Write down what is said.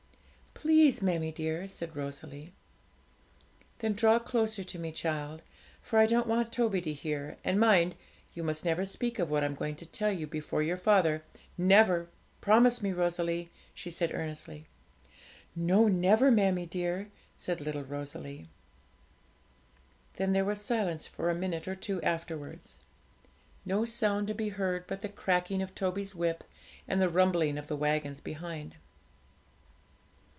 'Please, mammie dear,' said Rosalie. 'Then draw closer to me, child, for I don't want Toby to hear; and, mind, you must never speak of what I'm going to tell you before your father never; promise me, Rosalie,' she said earnestly. 'No, never, mammie dear,' said little Rosalie. Then there was silence for a minute or two afterwards no sound to be heard but the cracking of Toby's whip and the rumbling of the waggons behind.